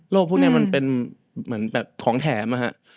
พวกนี้มันเป็นเหมือนแบบของแถมนะฮะ